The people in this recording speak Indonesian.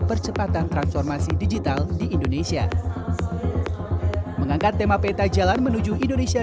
percepatan transformasi digital di indonesia mengangkat tema peta jalan menuju indonesia